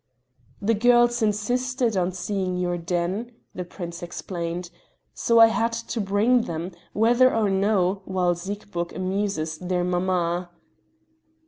"The girls insisted on seeing your den," the prince explained, "so I had to bring them, whether or no, while Siegburg amuses their mamma."